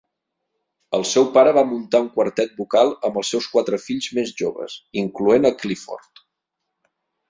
El seu pare va muntar un quartet vocal amb els seus quatre fills més joves, incloent a Clifford.